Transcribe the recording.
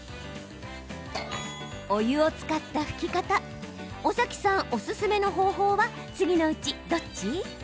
お湯を使った拭き方尾崎さんおすすめの方法は次のうち、どっち？